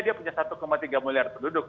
dia punya satu tiga miliar penduduk